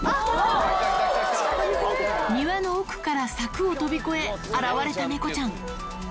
庭の奥から柵を飛び越え、現れた猫ちゃん。